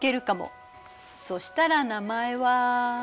そしたら名前は。